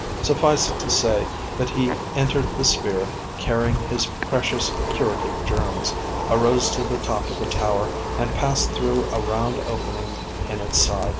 Suffice it to say that he entered the sphere, carrying his precious, curative germs, arose to the top of the tower, and passed through a round opening in its side.